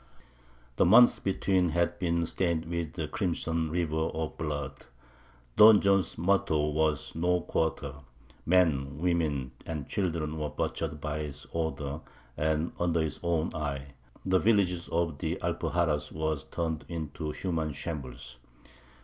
The months between had been stained with a crimson river of blood. Don John's motto was "no quarter"; men, women, and children were butchered by his order and under his own eye; the villages of the Alpuxarras were turned into human shambles.